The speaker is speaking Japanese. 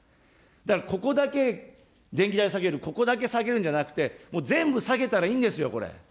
だからここだけ電気代を下げる、ここだけ下げるんじゃなくて、全部下げたらいいんですよ、これ。